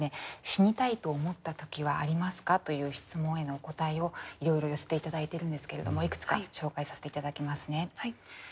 「死にたいと思った時はありますか？」という質問へのお答えをいろいろ寄せて頂いてるんですけれどもいくつか紹介させて頂きますね。